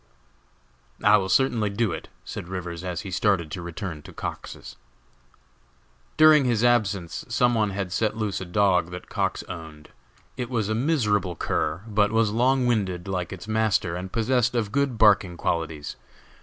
"I will certainly do it," said Rivers, as he started to return to Cox's. During his absence some one had set loose a dog that Cox owned. It was a miserable cur, but was long winded, like its master, and possessed of good barking qualities.